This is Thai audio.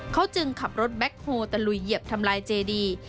เขาจึงขับรถแบ็คโฮลตะลุยเหยียบทำลายเจดี